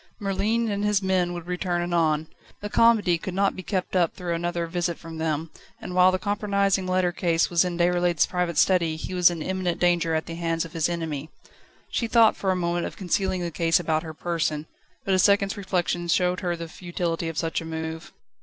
Merlin and his men would return anon. The comedy could not be kept up through another visit from them, and while the compromising letter case remained in Déroulède's private study he was in imminent danger at the hands of his enemy. She thought for a moment of concealing the case about her person, but a second's reflection showed her the futility of such a move.